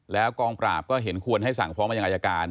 แล้วกองปราบก็เห็นควรให้สั่งฟ้องมายังอายการ